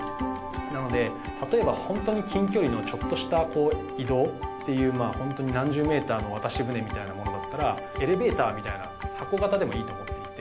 なので例えばホントに近距離のちょっとした移動。っていうまぁホントに何十ｍの渡し舟みたいなものだったらエレベーターみたいな箱型でもいいと思っていて。